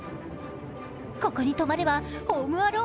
ここに泊まれば「ホーム・アローン」